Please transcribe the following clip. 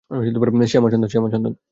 সে আমার সন্তান।